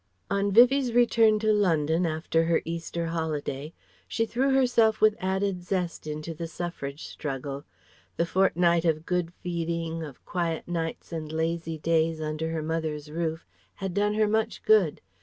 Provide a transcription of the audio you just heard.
On Vivie's return to London, after her Easter holiday, she threw herself with added zest into the Suffrage struggle. The fortnight of good feeding, of quiet nights and lazy days under her mother's roof had done her much good.